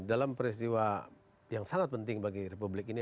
dalam peristiwa yang sangat penting bagi republik ini